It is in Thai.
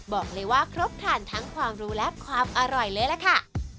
บอกเลยว่าครบถ่านทั้งความรู้และความอร่อยเลยล่ะค่ะ